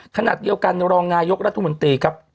ขณะเดียวกันรองนายกรัฐมนตรีครับ